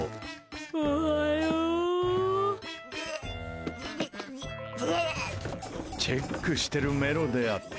おはよう！チェックしているメロであった。